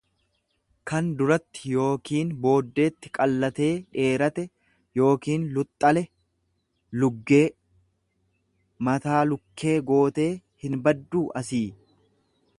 kan duratti yookiin booddeetti qallatee dheerate, yookiin luxxale, luggee; Mataa lukkee gootee hinbadduu asii.